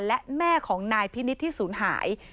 และแม่ของนายพินิศที่สูญหาย